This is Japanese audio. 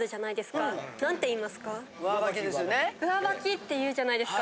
上履きっていうじゃないですか。